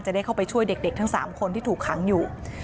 ได้เข้าไปช่วยเด็กทั้ง๓คนที่ถูกขังอยู่